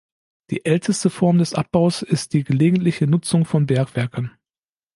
Die älteste Form des Abbaus ist die gelegentliche Nutzung von Bergwerken.